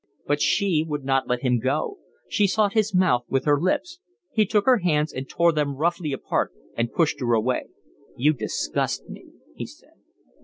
But she would not let him go. She sought his mouth with her lips. He took her hands and tore them roughly apart and pushed her away. "You disgust me," he said.